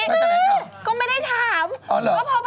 วอเอ๊เข้้ก็ไม่ได้ถาม